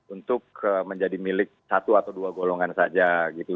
untuk menjadi milik satu atau dua golongan saja gitu